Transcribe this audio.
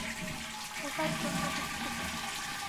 ওটার জন্য দুঃখিত।